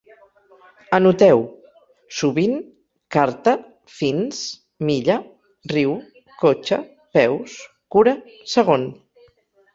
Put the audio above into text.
Anoteu: sovint, carta, fins, milla, riu, cotxe, peus, cura, segon